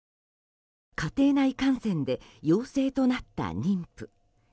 家庭内感染で陽性となった妊婦。